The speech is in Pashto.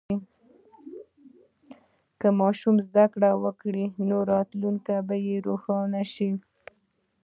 که ماشوم زده کړه وکړي، نو راتلونکی به روښانه شي.